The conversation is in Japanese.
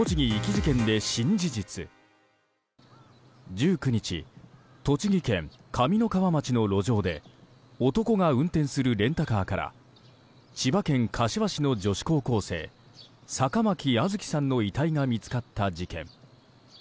１９日栃木県上三川町の路上で男が運転するレンタカーから千葉県柏市の女子高校生坂巻杏月さんの遺体が見つかった事件。